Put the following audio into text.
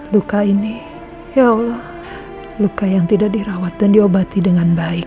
luka ini ya allah luka yang tidak dirawat dan diobati dengan baik